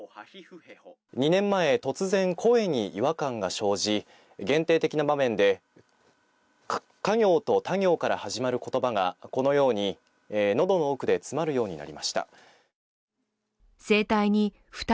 ２年前、突然、声に違和感が生じ限定的な場面でか行とた行から始まる言葉がこのように喉の奥で詰まるようになりました。